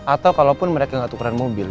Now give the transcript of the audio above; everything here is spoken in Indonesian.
atau kalaupun mereka gak tukeran mobil